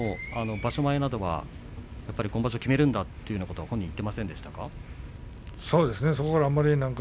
場所前は今場所は決めるということを本人言っていませんでしたか？